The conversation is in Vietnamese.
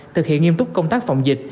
thực hiện nghiêm túc công tác phòng dịch